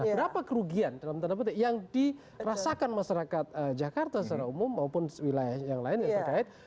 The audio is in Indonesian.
berapa kerugian dalam tanda petik yang dirasakan masyarakat jakarta secara umum maupun wilayah yang lain yang terkait